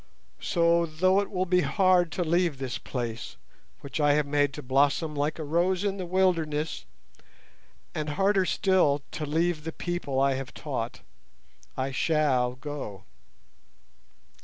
So though it will be hard to leave this place, which I have made to blossom like a rose in the wilderness, and harder still to leave the people I have taught, I shall go."